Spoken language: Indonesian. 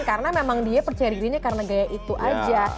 karena memang dia percaya dirinya karena gaya itu aja